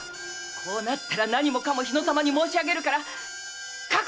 こうなったら何もかも日野様に申し上げるから覚悟しやがれ！